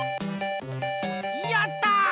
やった！